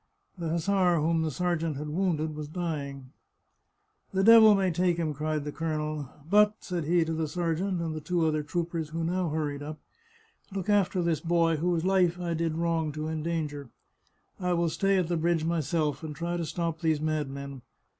The hussar whom the ser geant had wounded was dying. " The devil may take him !" cried the colonel. " But," said he to the sergeant and the two other troopers who now hurried up, " look after this boy, whose life I did wrong to endanger. I will stay at the bridge myself, and try to stop these madmen.